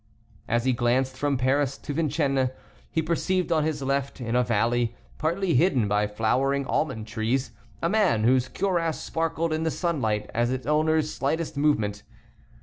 As he glanced from Paris to Vincennes, he perceived on his left, in a valley, partly hidden by flowering almond trees, a man, whose cuirass sparkled in the sunlight at its owner's slightest movement.